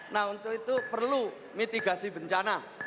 nah untuk itu perlu mitigasi bencana